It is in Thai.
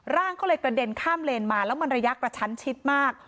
ร่างก็เลยกระเด็นข้ามเลนมาแล้วมันระยะกระชั้นชิดมาก